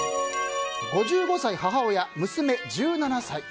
５５歳母親、娘１７歳。